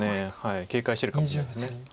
警戒してるかもしれないです。